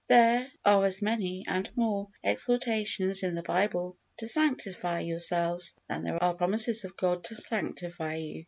There are as many, and more, exhortations in the Bible to sanctify yourselves than there are promises of God to sanctify you.